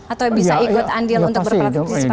atau bisa ikut andil untuk berpartisipasi terhadap itu